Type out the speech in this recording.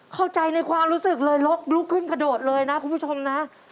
เข้าใจในความรู้สึกเลยลุกขึ้นกระโดดเลยนะคุณผู้ชมนะ